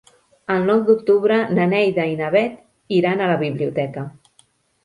El nou d'octubre na Neida i na Bet iran a la biblioteca.